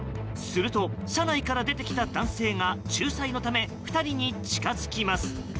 すると、車内から出てきた男性が仲裁のため２人に近づきます。